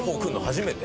初めて。